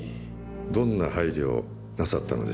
どんな配慮をなさったのでしょうか。